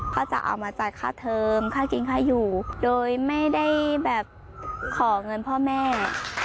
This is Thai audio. ก็จะเอามาจ่ายค่าเทิมค่ากินค่าอยู่โดยไม่ได้แบบขอเงินพ่อแม่